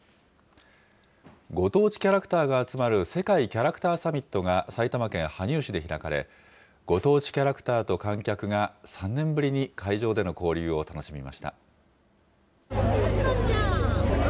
ご当地キャラクターが集まる、世界キャラクターさみっとが埼玉県羽生市で開かれ、ご当地キャラクターと観客が、３年ぶりに会場での交流を楽しみました。